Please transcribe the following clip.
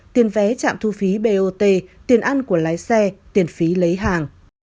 tiền vé trạm thu phí bot tiền ăn của lái xe tiền phí lấy hàng